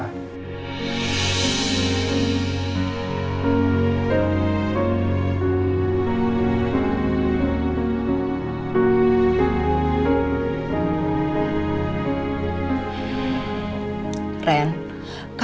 ren kamu gak boleh ngomong gitu ya